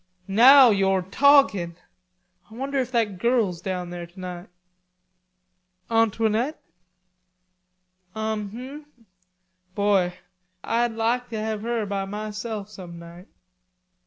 "Now yo're talkin'. Ah wonder if that girl's down there tonight." "Antoinette?" "Um hum.... Boy, Ah'd lahk to have her all by ma self some night."